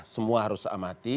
semua harus amati